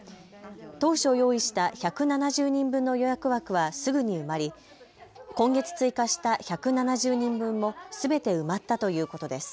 当初用意した１７０人分の予約枠はすぐに埋まり、今月追加した１７０人分もすべて埋まったということです。